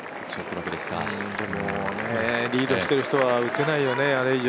でも、リードしてる人は打てないよね、あれ以上。